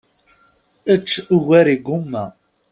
Ečč ugar igumma.